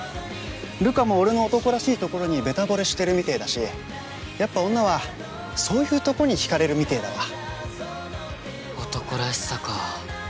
瑠夏も俺の男らしいところにベタぼれしてるみてぇだしやっぱ女はそういうとこにひかれるみてぇだわ